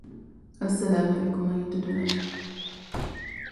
Players then pick up their own sticks, the teams having been formed.